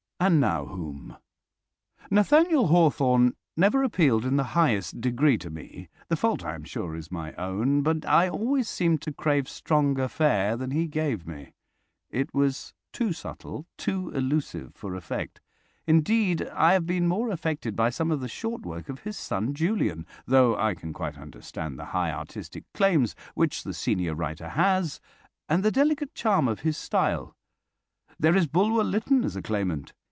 And now whom? Nathaniel Hawthorne never appealed in the highest degree to me. The fault, I am sure, is my own, but I always seemed to crave stronger fare than he gave me. It was too subtle, too elusive, for effect. Indeed, I have been more affected by some of the short work of his son Julian, though I can quite understand the high artistic claims which the senior writer has, and the delicate charm of his style. There is Bulwer Lytton as a claimant.